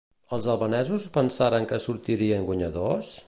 Els albanesos pensaren que sortirien guanyadors?